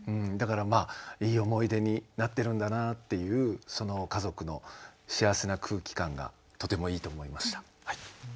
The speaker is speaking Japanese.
だからいい思い出になってるんだなっていうその家族の幸せな空気感がとてもいいと思いました。